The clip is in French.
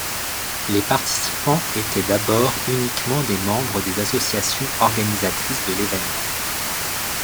Les participants étaient d'abord uniquement des membres des associations organisatrices de l'évènement.